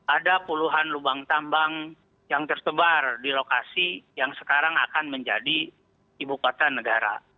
ada puluhan lubang tambang yang tersebar di lokasi yang sekarang akan menjadi ibu kota negara